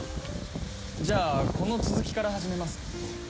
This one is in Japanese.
じゃあこの続きから始めます。